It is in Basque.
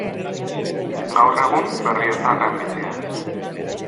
Gaur egun Berriozarren bizi da.